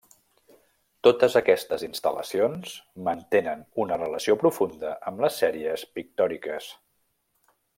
Totes aquestes instal·lacions mantenen una relació profunda amb les sèries pictòriques.